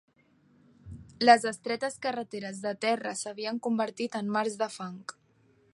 Les estretes carreteres de terra s'havien convertit en mars de fang